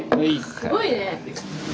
すごいね！